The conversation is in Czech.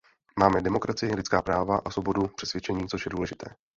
Máme demokracii, lidská práva a svobodu přesvědčení, což je důležité.